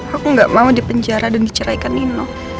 aku gak mau dipenjara dan diceraikan nino